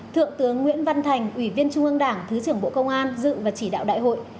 thượng tướng nguyễn văn thành ủy viên trung ương đảng thứ trưởng bộ công an dự và chỉ đạo đại hội